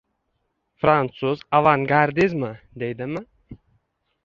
Frantsuz avan-gardizmi... deydimi...